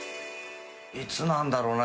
いつなんだろうな？